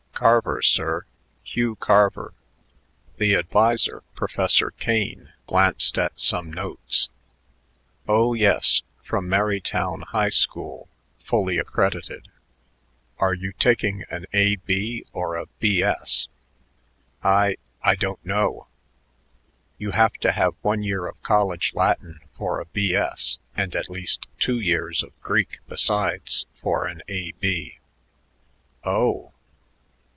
"Carver, sir. Hugh Carver." The adviser, Professor Kane, glanced at some notes. "Oh, yes, from Merrytown High School, fully accredited. Are you taking an A.B. or a B.S.?" "I I don't know." "You have to have one year of college Latin for a B.S. and at least two years of Greek besides for an A.B." "Oh!"